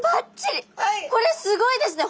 これすごいですね